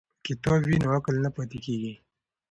که کتاب وي نو عقل نه پاتیږي.